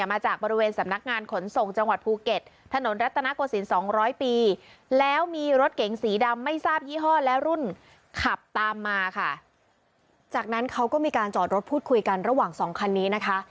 มาจากบริเวณสำนักงานขนส่งจังหวัดภูเก็ต